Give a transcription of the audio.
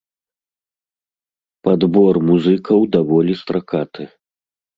Падбор музыкаў даволі стракаты.